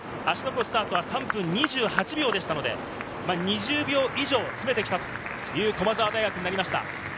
芦ノ湖スタートは３分２８秒でしたので、２０秒以上詰めてきたという駒澤大学になりました。